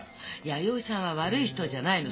弥生さんは悪い人じゃないの。